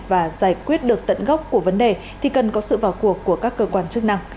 và giải quyết được tận gốc của vấn đề thì cần có sự vào cuộc của các cơ quan chức năng